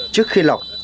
trước khi lọc